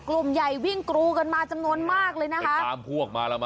กลุ่มใหญ่วิ่งกรูกันมาจำนวนมากเลยนะคะ